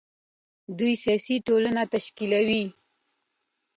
دوی سیاسي ټولنه تشکیلوي.